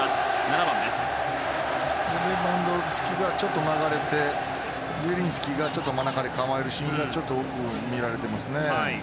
レバンドフスキがちょっと流れてジエリンスキが真ん中で構えるシーンがちょっと多く見られていますね。